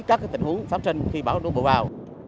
các tình huống phát sinh khi bão đổ bộ vào